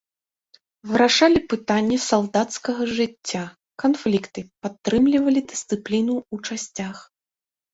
Вырашалі пытанні салдацкага жыцця, канфлікты, падтрымлівалі дысцыпліну ў часцях.